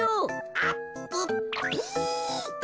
あっぷっぷ。